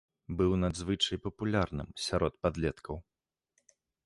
Быў надзвычай папулярным сярод падлеткаў.